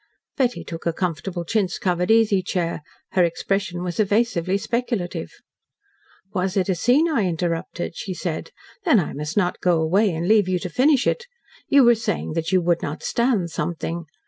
Betty took a comfortable chintz covered, easy chair. Her expression was evasively speculative. "Was it a scene I interrupted?" she said. "Then I must not go away and leave you to finish it. You were saying that you would not 'stand' something.